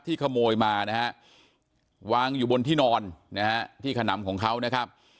ขโมยมานะฮะวางอยู่บนที่นอนนะฮะที่ขนำของเขานะครับ